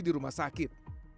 di rumah sakit